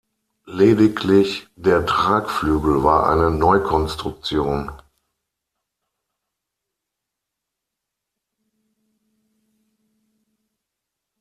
Lediglich der Tragflügel war eine Neukonstruktion.